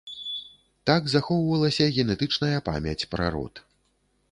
Так захоўвалася генетычная памяць пра род.